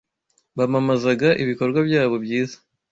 Bamamazaga ibikorwa byabo byiza,